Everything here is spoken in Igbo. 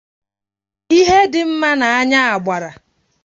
Ihe dị mma na anya gbàrà